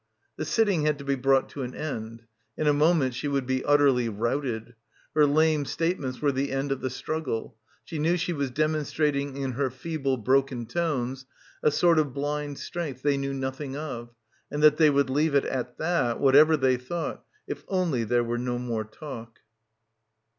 The sitting had to be brought to an end. ... In a moment she would be utterly routed. ... Her lame statements were the end of the struggle. She knew she was demonstrating in her feeble broken tones a sort of blind strength they knew nothing of and that they would leave it at that, whatever they thought, if only there were no more talk.